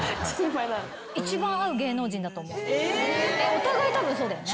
お互いたぶんそうだよね。